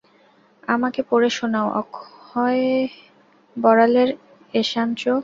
আমাকে পড়ে শোনাও অক্ষয় বড়ালের এষাঞ্চ।